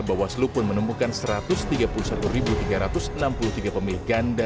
bawaslu pun menemukan satu ratus tiga puluh satu tiga ratus enam puluh tiga pemilih ganda